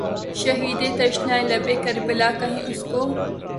شہیدِ تشنہ لبِ کربلا کہیں اُس کو